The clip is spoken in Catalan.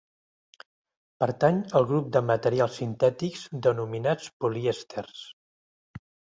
Pertany al grup de materials sintètics denominats polièsters.